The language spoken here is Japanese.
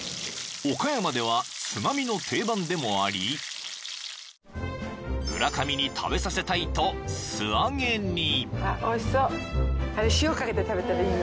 ［岡山ではつまみの定番でもあり村上に食べさせたいと素揚げに］